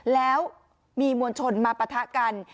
แล้วมีมวลชนมาปะทะกัน